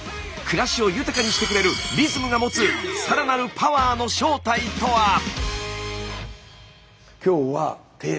暮らしを豊かにしてくれるリズムが持つさらなるパワーの正体とは？